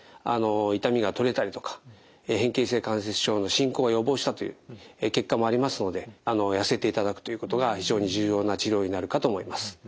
痛みが取れたりとか変形性関節症の進行を予防したという結果もありますので痩せていただくということが非常に重要な治療になるかと思います。